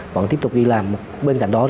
vẫn tiếp tục đi làm bên cạnh đó